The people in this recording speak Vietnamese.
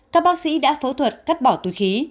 các bác sĩ đã phẫu thuật cắt bỏ túi khí